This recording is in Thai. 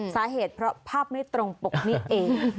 สาเหตุเพราะภาพไม่ตรงปกนี่เอง